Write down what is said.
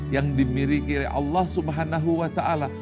yang dimiliki oleh allah subhanahu wa ta'ala